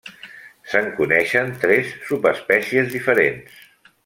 Se'n coneixen tres subespècies diferents.